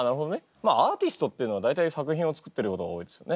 まあアーティストっていうのは大体作品を作ってることが多いですよね。